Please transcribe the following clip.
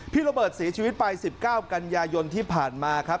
พี่โรเบิร์ตศรีชีวิตไป๑๙กันยายนที่ผ่านมาครับ